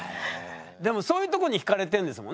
でもそういうとこにひかれてんですもんね？